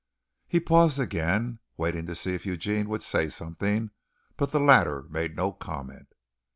He paused again, waiting to see if Eugene would say something, but the latter made no comment.